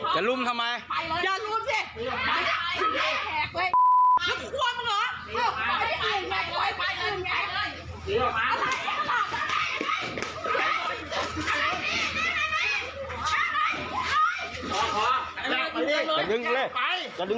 กลับมาพร้อมขอบความ